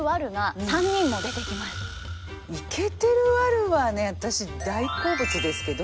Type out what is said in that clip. イケてるワルはね私大好物ですけど。